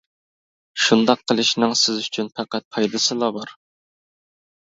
شۇنداق قىلىشنىڭ سىز ئۈچۈن پەقەت پايدىسىلا بار.